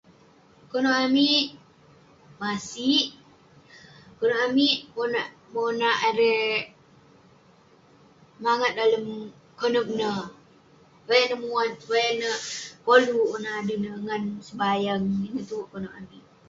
Konep amik masik, konep amik konak monak erei semangat dalem konep neh supaya neh muat supaya neh koluk maneuk adui neh ngan sebayang. Ineh tue konep amik.